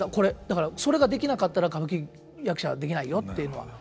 だからそれができなかったら歌舞伎役者はできないよっていうのは言ってますね。